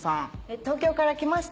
東京から来ました。